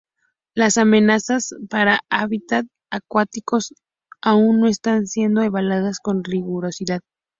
Las amenazas para hábitat acuáticos aún no están siendo evaluadas con rigurosidad.